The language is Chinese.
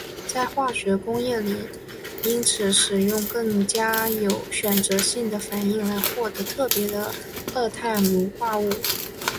在化学工业里因此使用更加有选择性的反应来获得特别的二碳卤化物。